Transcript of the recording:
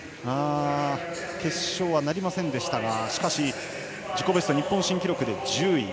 決勝はなりませんでしたがしかし、自己ベスト日本新記録で１０位。